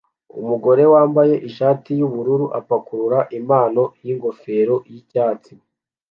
Umugore wambaye ishati yubururu apakurura impano yingofero yicyatsi